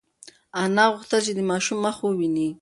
انا غوښتل چې د ماشوم مخ وویني.